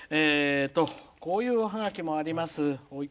こういうおはがきもあります。